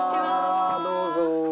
どうぞ。